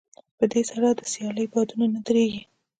په دې سره د سيالۍ بادونه نه درېږي.